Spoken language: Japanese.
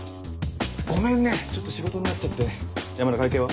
ごめんねちょっと仕事になっちゃって山田会計は？